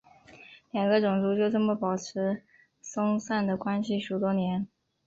两个种族就这么保持松散的关系许多年。